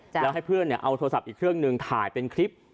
แล้วให้เพื่อนเอาโทรศัพท์อีกเครื่องหนึ่งถ่ายเป็นคลิป